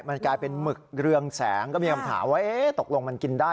มันกลายเป็นหมึกเรืองแสงก็มีคำถามว่าเอ๊ะตกลงมันกินได้